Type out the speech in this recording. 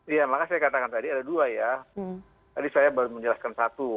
iya makanya saya katakan tadi ada dua ya tadi saya baru menjelaskan satu